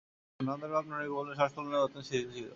নন্দর বাপ ননীগোপালের শাসনপ্রণালী অত্যন্ত শিথিল ছিল।